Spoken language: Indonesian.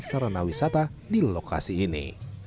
sarana wisata di lokasi ini